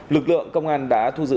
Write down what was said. lực lượng công an đã thu giữ